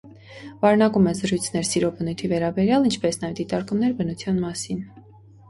Պարունակում է զրույցներ սիրո բնույթի վերաբերյալ, ինչպես նաև դիտարկումներ բնության մասին։